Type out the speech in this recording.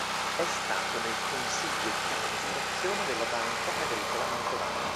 È stato nel consiglio di amministrazione della Banca Agricola Mantovana.